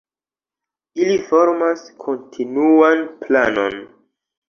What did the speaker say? Ili formas kontinuan planon.